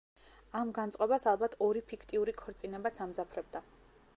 ამ განწყობას, ალბათ ორი ფიქტიური ქორწინებაც ამძაფრებდა.